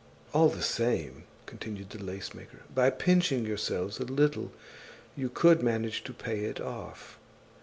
"All the same," continued the lace maker, "by pinching yourselves a little you could manage to pay it off.